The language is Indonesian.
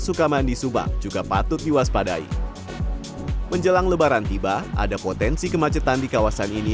sukamandi subang juga patut diwaspadai menjelang lebaran tiba ada potensi kemacetan di kawasan ini